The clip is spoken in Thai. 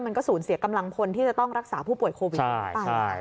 มันก็สูญเสียกำลังพลที่จะต้องรักษาผู้ป่วยโควิดนี้ไป